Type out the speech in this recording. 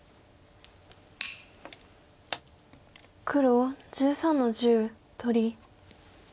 黒１３の十取り。